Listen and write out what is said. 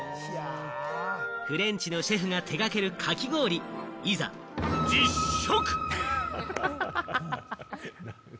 フレンチのシェフが手掛けるかき氷、いざ実食。